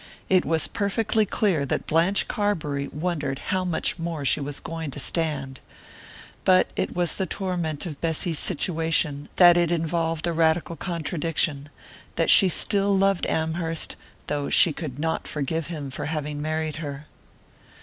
it was perfectly clear that Blanche Carbury wondered how much more she was going to stand! But it was the torment of Bessy's situation that it involved a radical contradiction, that she still loved Amherst though she could not forgive him for having married her.